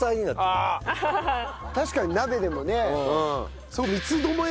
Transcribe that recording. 確かに鍋でもね。